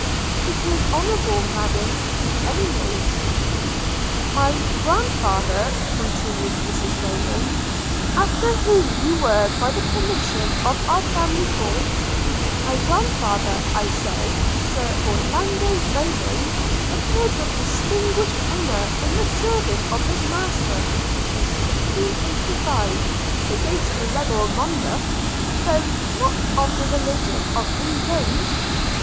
'It is honourable, Madam, to any name.' 'My grandfather,' continued Mrs Rayland, 'after whom you were by the permission of our family called – my grandfather, I say, Sir Orlando Rayland, appeared with distinguished honour in the service of his master in 1685, against the rebel Monmouth, though not of the religion of King James.